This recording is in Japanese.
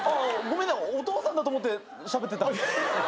ごめんねお父さんだと思ってしゃべってた。